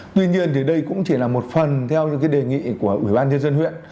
tuy nhiên thì đây cũng chỉ là một phần theo những cái đề nghị của ủy ban nhân dân huyện